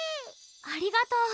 ありがとう。